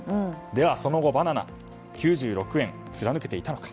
では、その後バナナの９６円貫けているのか。